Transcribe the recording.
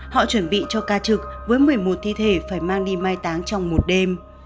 họ chuẩn bị cho ca trực với một mươi một thi thể phải mang đi mai táng trong một đêm